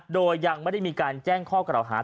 โดยยังไม่ได้มีการแจ้งข้อกล่าวหา